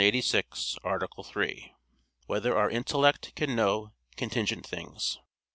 86, Art. 3] Whether Our Intellect Can Know Contingent Things?